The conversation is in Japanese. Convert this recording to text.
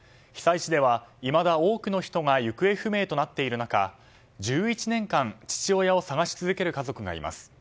被災地では、いまだ多くの人が行方不明となっている中１１年間、父親を捜し続ける家族がいます。